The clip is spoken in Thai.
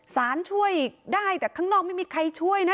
ช่วยได้แต่ข้างนอกไม่มีใครช่วยนะ